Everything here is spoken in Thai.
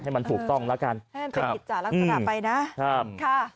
ให้มันถูกต้องแล้วกันครับไปจากลักษณะไปนะครับ